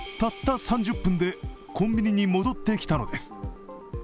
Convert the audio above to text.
たった３０分でコンビニに戻ってきたのです。